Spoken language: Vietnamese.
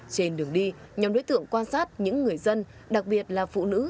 trên đường đi nhóm đối tượng quan sát những người dân đặc biệt là phụ nữ